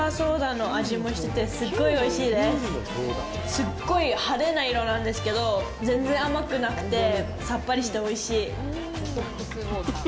すっごい派手な色なんですけど全然甘くなくてさっぱりしておいしい。